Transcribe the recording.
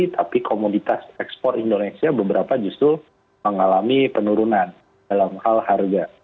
tapi komoditas ekspor indonesia beberapa justru mengalami penurunan dalam hal harga